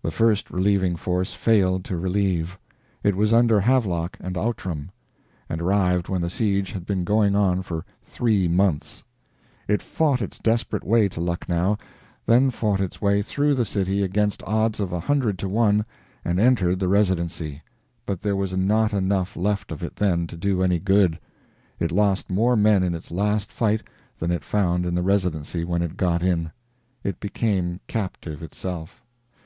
The first relieving force failed to relieve. It was under Havelock and Outram; and arrived when the siege had been going on for three months. It fought its desperate way to Lucknow, then fought its way through the city against odds of a hundred to one, and entered the Residency; but there was not enough left of it, then, to do any good. It lost more men in its last fight than it found in the Residency when it got in. It became captive itself.